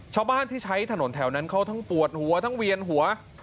ชาวบ้านที่ใช้ถนนแถวนั้นเขาทั้งปวดหัวทั้งเวียนหัว